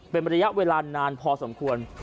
เป็นระยะเวลานานพอสมควร